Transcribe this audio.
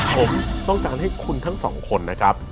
ผมต้องการให้คุณทั้งสองคนนะครับ